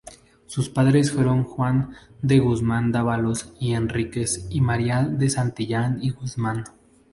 Sus padres fueron Juan de Guzmán-Dávalos y Enríquez y María de Santillán y Guzmán.